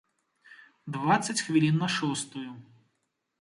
Дваццаць хвілін на шостую.